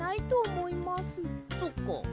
そっか。